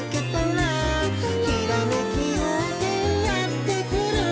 「ひらめきようせいやってくる」